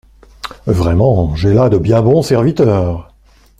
Vraiment, j’ai là de biens bons serviteurs !…